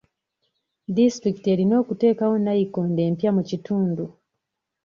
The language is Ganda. Disitulikiti erina okuteekawo nayikondo empya mu kitundu.